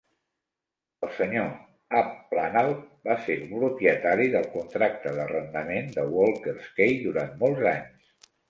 El Sr. Abplanalp va ser propietari del contracte d'arrendament de Walker 's Cay durant molts anys.